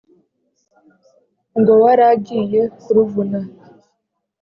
ngo waragiye kuruvuna.